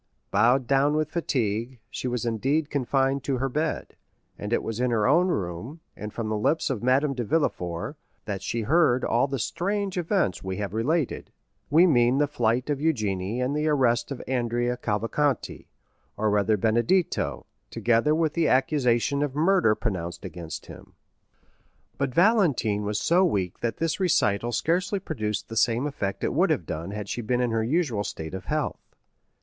Bowed down with fatigue, she was indeed confined to her bed; and it was in her own room, and from the lips of Madame de Villefort, that she heard all the strange events we have related; we mean the flight of Eugénie and the arrest of Andrea Cavalcanti, or rather Benedetto, together with the accusation of murder pronounced against him. But Valentine was so weak that this recital scarcely produced the same effect it would have done had she been in her usual state of health.